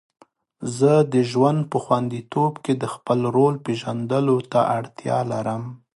زه د ژوند په خوندیتوب کې د خپل رول پیژندلو ته اړتیا لرم.